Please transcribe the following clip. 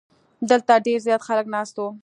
دلته ډیر زیات خلک ناست وو.